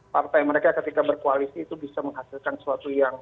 partai mereka ketika berkoalisi itu bisa menghasilkan sesuatu yang